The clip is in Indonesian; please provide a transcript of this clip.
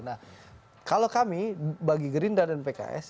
nah kalau kami bagi gerindra dan pks